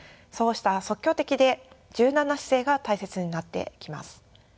そうした即興的で柔軟な姿勢が大切になってきます。